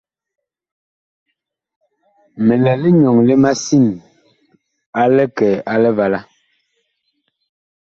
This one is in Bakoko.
Mi lɛ linyɔŋ li masin a likɛ a Livala.